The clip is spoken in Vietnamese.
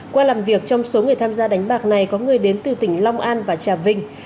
qua làm việc trong số người tham gia đánh bạc này có người đến từ tỉnh long an và trà vinh